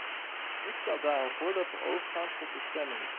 Ik stel daarom voor dat we overgaan tot de stemming.